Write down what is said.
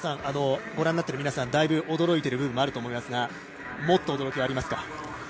ご覧になっている皆さんだいぶ、驚いている部分あると思いますがもっと驚きはありますか？